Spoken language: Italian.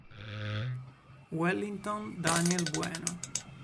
Wellington Daniel Bueno